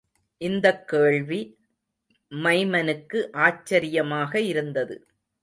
இந்தக் கேள்வி, மைமனுக்கு ஆச்சரியமாக இருந்தது.